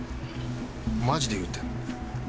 マジで言うてんの？